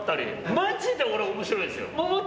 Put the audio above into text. マジで面白いですよ。